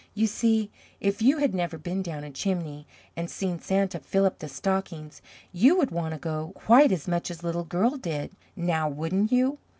You see if you had never been down a chimney and seen Santa fill up the stockings, you would want to go quite as much as Little Girl did, now, wouldn't you?